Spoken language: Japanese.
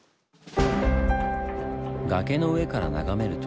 崖の上から眺めると。